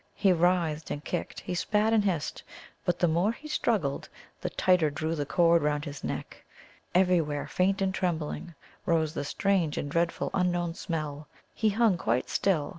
He writhed and kicked, he spat and hissed. But the more he struggled, the tighter drew the cord round his neck. Everywhere, faint and trembling, rose the strange and dreadful unknown smell. He hung quite still.